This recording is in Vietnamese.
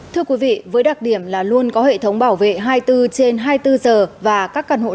thưa quý vị với đặc điểm là luôn có hệ thống bảo vệ hai mươi bốn trên hai mươi bốn giờ và các căn hộ